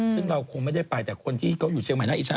ซึ่งเราคงไม่ได้ไปแต่คนที่เขาอยู่เชียงใหม่น่าอิจฉ